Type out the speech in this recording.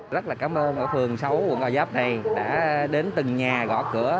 rất là cảm ơn ở phường sáu quận hòa giáp này đã đến từng nhà gõ cửa